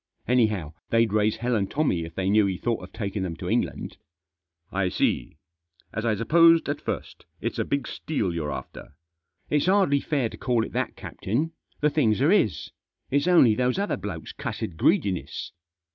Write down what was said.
Anyhow, they'd raise hell and Tommy if they knew he thought of taking them to England." " I see. As I supposed at first, it's a big steal you're after." " It's hardly fair to call it that, captain. The things are his. It's only those other blokes' cussed greedi ness."